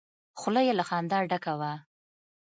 خوله يې له خندا ډکه وه.